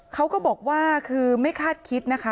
เขาก็บอกว่าคือไม่คาดคิดนะคะ